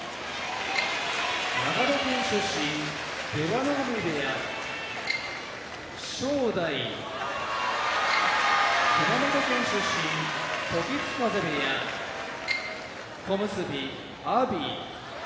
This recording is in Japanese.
長野県出身出羽海部屋正代熊本県出身時津風部屋小結・阿炎